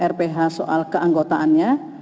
rph soal keanggotaannya